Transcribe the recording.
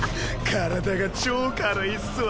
体が超軽いっすわ。